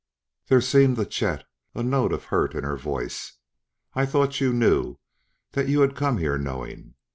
There seemed to Chet a note of hurt in her voice. "I thought you knew, that you had come here knowing.